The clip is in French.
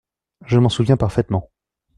Je m’en souviens parfaitement.